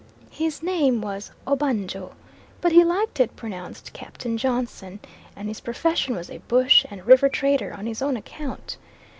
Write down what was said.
His name was Obanjo, but he liked it pronounced Captain Johnson, and his profession was a bush and river trader on his own account.